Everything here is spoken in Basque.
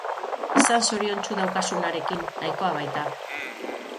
Izan zoriontsu daukazunarekin, nahikoa baita.